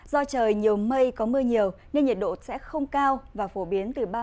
do trời nhiều mây có mưa nhiều nên nhiệt độ sẽ không cao và phổ biến từ ba mươi ba mươi hai độ